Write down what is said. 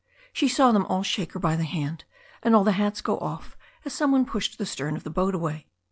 She saw them all shake her by the hand, and all the hats go off as some one pushed the stern of the boat away.